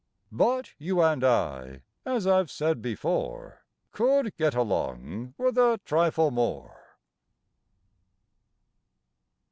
(But you and I, as I've said before, Could get along with a trifle more.)